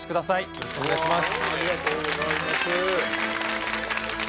よろしくお願いします